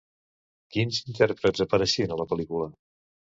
Quins intèrprets apareixen a la pel·lícula?